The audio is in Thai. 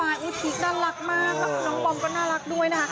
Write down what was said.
น้องพีชน่ารักมากน้องบอมก็น่ารักด้วย